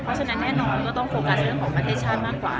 เพราะฉะนั้นแน่นอนก็ต้องโฟกัสเรื่องของประเทศชาติมากกว่า